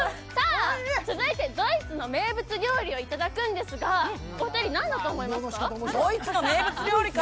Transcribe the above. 続いてドイツの名物料理をいただくんですがお二人、何だと思いますか？